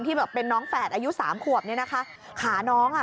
แบบเป็นน้องแฝดอายุสามขวบเนี่ยนะคะขาน้องอ่ะ